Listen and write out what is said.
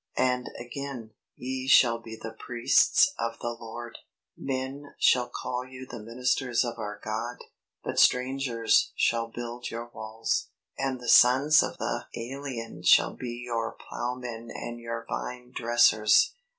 And again "_Ye shall be the priests of the Lord; men shall call you the ministers of our God: but strangers shall build your walls, and the sons of the alien shall be your ploughmen and your vine dressers_."